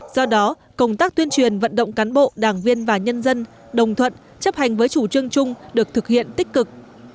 do đó công tác tuyên truyền vận động cán bộ đảng viên và nhân dân đồng thuận chấp hành với chủ trương chung được thực hiện tích cực